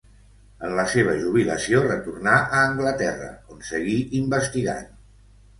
En la seva jubilació retornà a Anglaterra on seguí investigant.